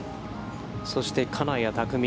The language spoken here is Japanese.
そして、金谷拓実。